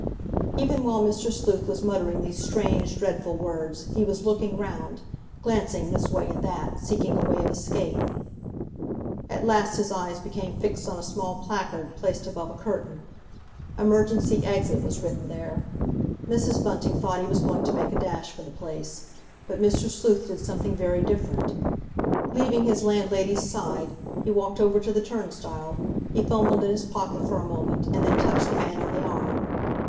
Even while Mr. Sleuth was muttering these strange, dreadful words, he was looking round, glancing this way and that, seeking a way of escape. At last his eyes became fixed on a small placard placed above a curtain. "Emergency Exit" was written there. Mrs. Bunting thought he was going to make a dash for the place; but Mr. Sleuth did something very different. Leaving his landlady's side, he walked over to the turnstile, he fumbled in his pocket for a moment, and then touched the man on the arm.